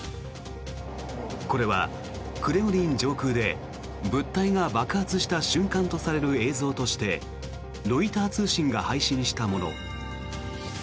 これはクレムリン上空で物体が爆発した瞬間とされる映像としてロイター通信が配信したもの。